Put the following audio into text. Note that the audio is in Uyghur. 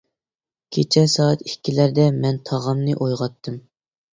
كېچە سائەت ئىككىلەردە مەن تاغامنى ئويغاتتىم.